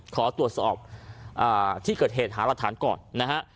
ขอตรวจสอบที่เกิดเหตุหารักฐานก่อนนะฮะ